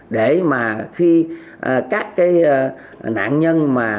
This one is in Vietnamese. để mà khi các cái nạn nhân mà